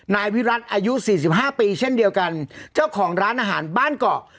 นายวิรัตน์อายุ๔๕ปีเช่นเดียวกันเจ้าของร้านอาหารบ้านเกาะ